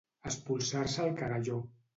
Espolsar-se el cagalló.